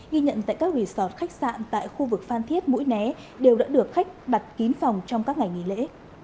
ghi nhận tại các resort khách sạn tại khu vực phan thiết mũi né đều đã được khách đặt kín phòng trong các ngày nghỉ lễ